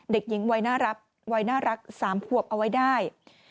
เด็กหญิงวัยน่ารัก๓ผวบเอาไว้ได้